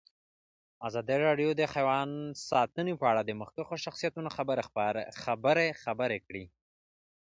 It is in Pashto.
ازادي راډیو د حیوان ساتنه په اړه د مخکښو شخصیتونو خبرې خپرې کړي.